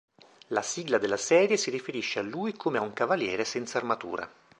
La sigla della serie si riferisce a lui come a "un cavaliere senza armatura".